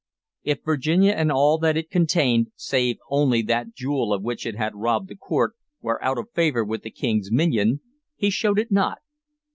If Virginia and all that it contained, save only that jewel of which it had robbed the court, were out of favor with the King's minion, he showed it not.